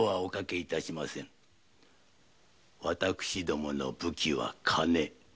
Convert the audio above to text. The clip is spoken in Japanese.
私どもの武器は金。